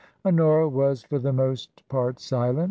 Honora was for the most part silent.